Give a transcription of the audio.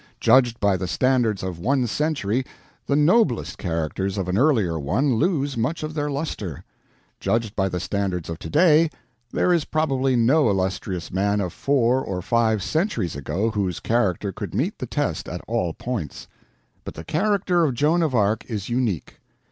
Judged by the standards of one century, the noblest characters of an earlier one lose much of their luster; judged by the standards of to day, there is probably no illustrious man of four or five centuries ago whose character could meet the test at all points. But the character of Joan of Arc is unique.